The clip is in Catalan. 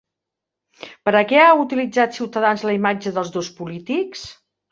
Per a què ha utilitzat Ciutadans la imatge dels dos polítics?